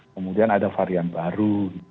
kemudian ada varian baru